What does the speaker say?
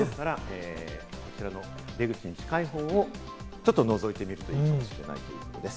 出口に近い方をちょっとのぞいてみると、いいかもしれないということです。